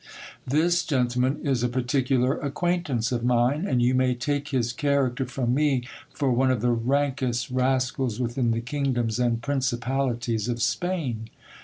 This gentleman is a particular acquaintance of mine, and you may take his character from me for one of the rankest rascals within the kingdoms and principalities of Spain.